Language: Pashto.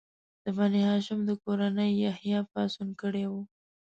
د بني هاشم د کورنۍ یحیی پاڅون کړی و.